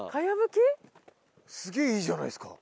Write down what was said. すげえいいじゃないですか。